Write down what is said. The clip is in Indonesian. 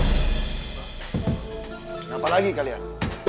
kenapa lagi kalian